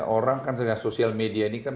orang kan sejak sosial media ini kan